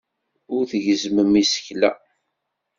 Ur tgezzmem isekla.